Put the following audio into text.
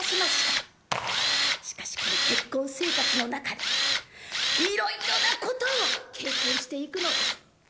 しかしこの結婚生活の中でいろいろなことを経験していくのです。